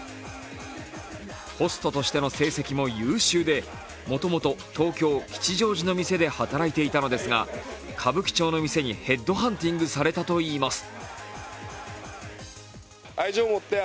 ホストとしての成績も優秀で、もともと東京・吉祥寺の店で働いていたのですが、歌舞伎町の店にヘッドハンティングされたといいます。